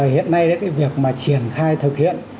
hiện nay việc mà triển khai thực hiện